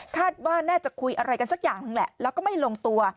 คาดว่าน่าจะคุยอะไรกันสักอย่างหนึ่งแหละแล้วก็ไม่ลงตัว